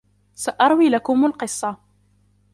سأروي لكم القصة.